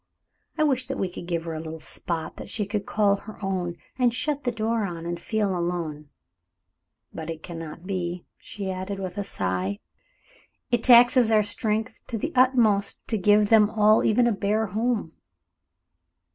I wish that we could give her a little spot that she could call her own, and shut the door on, and feel alone. But it cannot be," she added, with a sigh. "It taxes our strength to the utmost to give them all even a bare home."